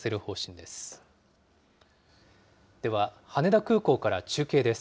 では、羽田空港から中継です。